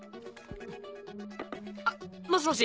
あっもしもし！